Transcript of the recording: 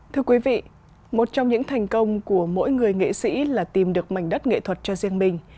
thưa quý vị một trong những thành công của mỗi người nghệ sĩ là tìm được mảnh đất nghệ thuật cho riêng mình